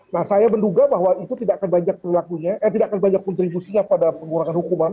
nah saya menduga bahwa itu tidak akan banyak perilakunya eh tidak akan banyak kontribusinya pada pengurangan hukuman